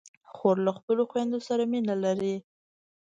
خور له خپلو خویندو سره مینه لري.